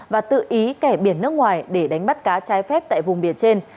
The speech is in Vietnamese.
và tự ý kẻ biển nước ngoài để đánh bắt cá trái phép tại vùng biển trên